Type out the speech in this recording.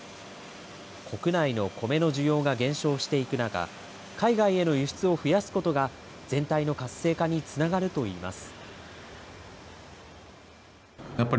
国内のコメの需要が減少していく中、海外への輸出を増やすことが全体の活性化につながるといいます。